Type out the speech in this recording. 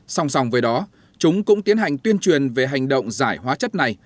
song song với đó chúng cũng tiến hành tuyên truyền về hành động giải hóa chất này